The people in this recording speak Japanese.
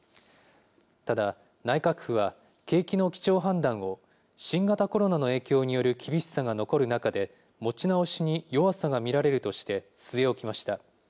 ただ、内閣府は景気の基調判断を新型コロナの影響による厳しさが残る中で持ち直しに弱さが見られるとして据え置きました。